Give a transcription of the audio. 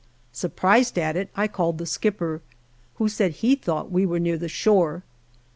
Surprised at it, I called the skipper, who said he thought we were near the shore.